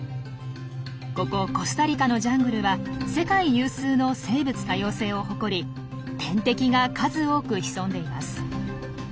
ここコスタリカのジャングルは世界有数の生物多様性を誇り天敵が数多く潜んでいます。